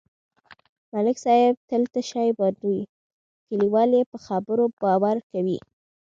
ملک صاحب تل تشې بادوي، کلیوال یې په خبرو باور کوي.